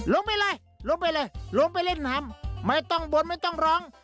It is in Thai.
ลงไปเลยลงไปเลยลงไปเล่นน้ำไม่ต้องบนไม่ต้องร้อง